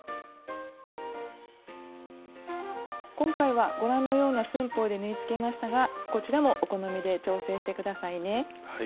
今回はご覧のような寸法で縫いつけましたがこちらもお好みで調整して下さいね。